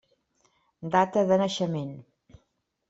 Data de naixement.